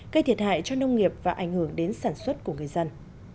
gây thiệt hại cho nông nghiệp và ảnh hưởng đến sản xuất của người dân